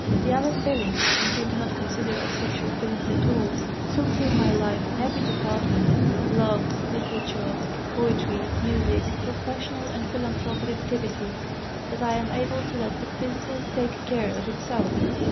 The other feelings, which I do not consider as sexual feelings at all, so fill my life in every department love, literature, poetry, music, professional and philanthropic activities that I am able to let the physical take care of itself.